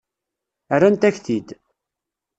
Rrant-ak-t-id.